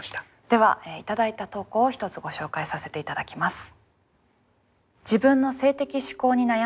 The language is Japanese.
では頂いた投稿を１つご紹介させて頂きます。